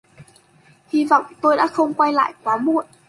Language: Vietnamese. Hi vọng tôi đã không quay lại quá muộn